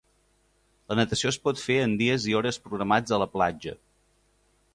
La natació es pot fer en dies i hores programats a la platja.